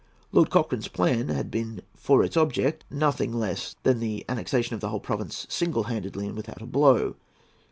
Lord Cochrane's plan had for its object nothing less than the annexation of the whole province singlehanded and without a blow.